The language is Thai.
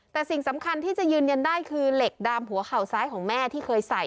แต่สิ่งสำคัญที่จะยืนยันได้คือเหล็กดามหัวเข่าซ้ายของแม่ที่เคยใส่